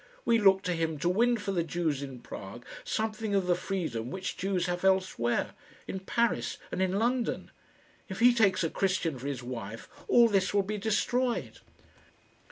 We look to him to win for the Jews in Prague something of the freedom which Jews have elsewhere in Paris and in London. If he takes a Christian for his wife, all this will be destroyed."